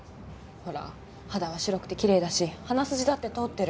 ほら肌は白くてきれいだし鼻筋だって通ってる。